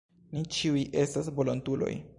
Ni ĉiuj estas volontuloj.